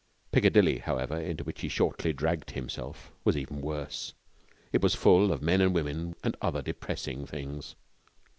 Piccadilly, however, into which he shortly dragged himself, was even worse. It was full of men and women and other depressing things.